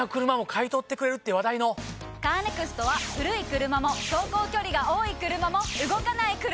カーネクストは古い車も走行距離が多い車も動かない車でも。